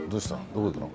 どこ行くの？